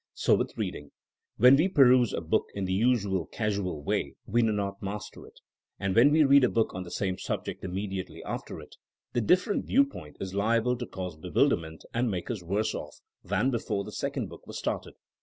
So with reading. When we peruse a book in the usual casual way we do not master it. And when we read a book on the same subject imme diately after it, the different viewpoint is liable to cause bewilderment and make us worse off than before the second book was started.